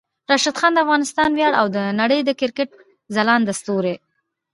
راشد خان د افغانستان ویاړ او د نړۍ د کرکټ ځلانده ستوری